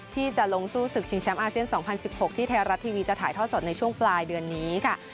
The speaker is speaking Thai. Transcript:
ที่จะลงสู้ศึกชิงแชมป์อาเซียน๒๐๑๖ที่ไทยรัฐทีวีจะถ่ายทอดสดในช่วงปลายเดือนนี้ค่ะ